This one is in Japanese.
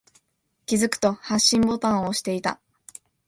気づくと、発信ボタンを押していた。